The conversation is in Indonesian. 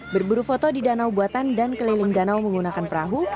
berburu foto di danau buatan dan keliling danau menggunakan perahu